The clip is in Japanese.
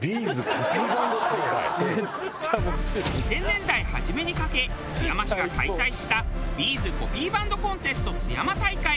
２０００年代初めにかけ津山市が開催したＢ’ｚコピーバンドコンテスト津山大会。